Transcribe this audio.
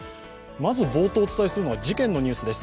まず冒頭お伝えするのは事件のニュースです。